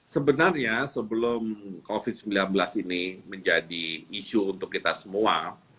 sebenarnya sebelum covid sembilan belas ini menjadi isu untuk kita semua